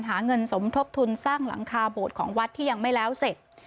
หาเงินสมทบทุนสร้างหลังคาโบสถ์ของวัดที่ยังไม่แล้วเสร็จ